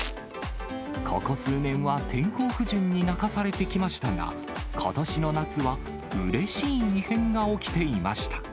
ここ数年は天候不順に泣かされてきましたが、ことしの夏はうれしい異変が起きていました。